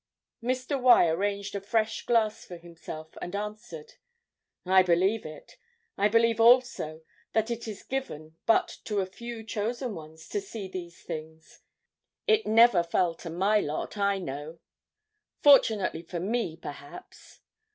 Mr. Y. arranged a fresh glass for himself, and answered: "I believe it. I believe also that it is given but to a few chosen ones to see these things. It never fell to my lot, I know. Fortunately for me, perhaps.